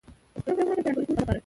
د منظم حرکت د رهبري کولو لپاره.